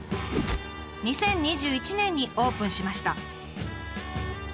２０２１年にオープンしました。